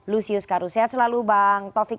lusius karus sehat selalu bang taufik